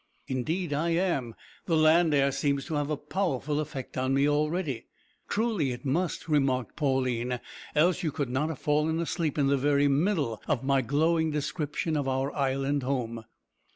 "Indeed I am. The land air seems to have had a powerful effect on me already." "Truly it must," remarked Pauline, "else you could not have fallen asleep in the very middle of my glowing description of our island home."